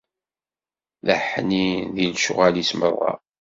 D aḥnin di lecɣwal-is merra.